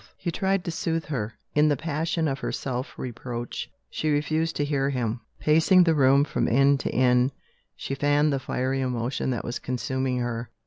he tried to soothe her. In the passion of her self reproach, she refused to hear him. Pacing the room from end to end, she fanned the fiery emotion that was consuming her.